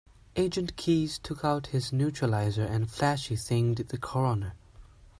Agent Keys took out his neuralizer and flashy-thinged the coroner.